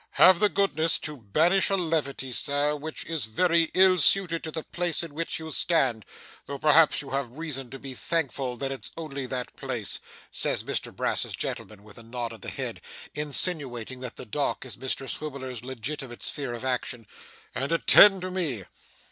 'Have the goodness to banish a levity, sir, which is very ill suited to the place in which you stand (though perhaps you have reason to be thankful that it's only that place),' says Mr Brass's gentleman, with a nod of the head, insinuating that the dock is Mr Swiveller's legitimate sphere of action; 'and attend to me.